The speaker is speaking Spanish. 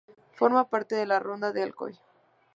Forma parte de la ronda de Alcoy.